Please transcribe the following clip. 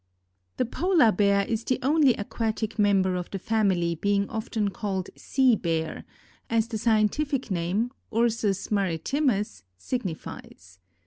_) The Polar Bear is the only aquatic member of the family being often called Sea Bear, as the scientific name (Ursus maritimus) signifies.